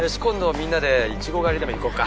みんなでイチゴ狩りでも行こうか？